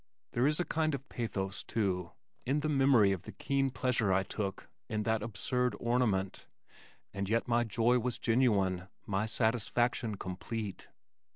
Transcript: There is a kind of pathos too, in the memory of the keen pleasure I took in that absurd ornament and yet my joy was genuine, my satisfaction complete.